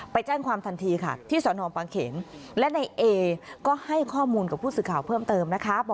ไปแจ้งความทันทีค่ะที่สนปังเขนและในเอก็ให้ข้อมูลกับผู้สื่อข่าวเพิ่มเติมนะคะ